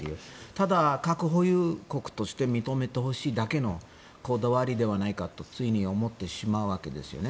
ただ、核保有国として認めてほしいだけのこだわりではないかとつい思ってしまうわけですよね。